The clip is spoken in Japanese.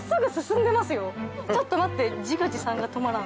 ちょっと待って。